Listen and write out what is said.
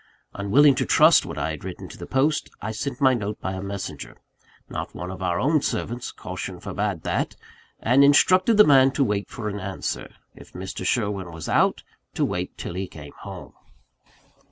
Unwilling to trust what I had written to the post, I sent my note by a messenger not one of our own servants, caution forbade that and instructed the man to wait for an answer: if Mr. Sherwin was out, to wait till he came home.